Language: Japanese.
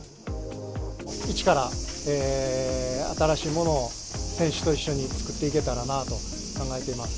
一から新しいものを選手と一緒に作っていけたらなと考えています。